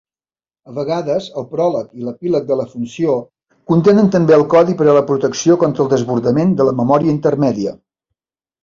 A vegades, el pròleg i l'epíleg de la funció contenen també el codi per a la protecció contra el desbordament de la memòria intermèdia.